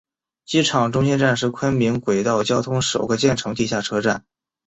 机场中心站是昆明轨道交通首个建成地下车站。